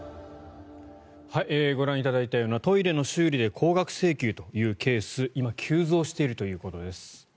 ご覧いただいたようなトイレの修理で高額請求というケース、今急増しているということです。